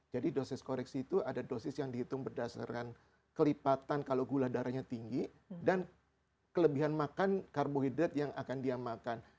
jadi dosis koreksi itu ada dosis yang dihitung berdasarkan kelipatan kalau gula darahnya tinggi dan kelebihan makan karbohidrat yang akan dia makan